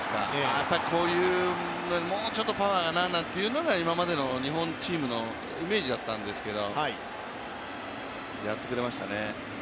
やっぱりこういうのもうちょっとパワーがな、なんていうのがこれまでの日本のイメージだったんですけどやってくれましたね。